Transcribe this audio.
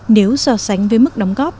nếu so sánh với mức đóng góp